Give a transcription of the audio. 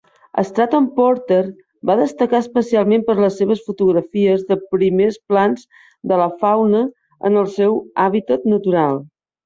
Stratton-Porter va destacar especialment per les seves fotografies de primers plans de la fauna en el seu hàbitat natural.